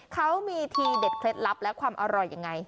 เขามีทีเด็ดเคล็ดลับและความอร่อยยังไง